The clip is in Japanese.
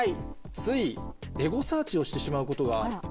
ついエゴサーチをしてしまうことがあるという。